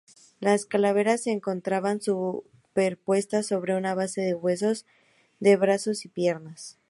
Las calaveras se encontraban superpuestas sobre una base de huesos de brazos y piernas.